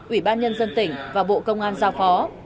ủy ban nhân dân tỉnh và bộ công an giao phó